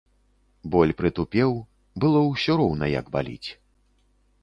Боль прытупеў, было ўсё роўна як баліць.